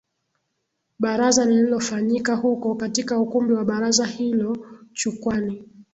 Baraza lililofanyika huko katika ukumbi wa Baraza hilo Chukwani